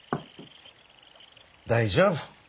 大丈夫。